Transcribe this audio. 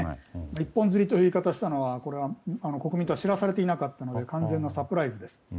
一本釣りという言い方をしたのは国民党は知らされていなかったので完全なサプライズです。